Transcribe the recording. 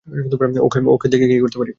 ওকে, দেখি কি করতে পারি।